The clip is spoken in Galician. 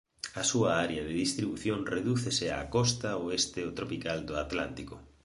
A súa área de distribución redúcese á costa oeste tropical do Atlántico.